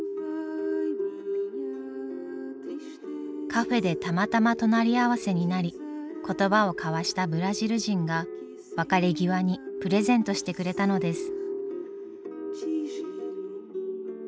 カフェでたまたま隣り合わせになり言葉を交わしたブラジル人が別れ際にプレゼントしてくれたのです。